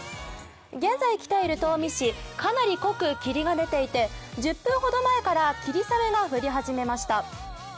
現在来ている東御市、かなり濃く霧が出ていて１０分ほど前から霧雨が降り始めました。